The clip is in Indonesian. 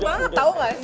emang tau gak sih